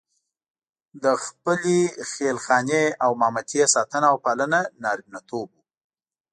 د خپلې خېل خانې او مامتې ساتنه او پالنه نارینتوب وو.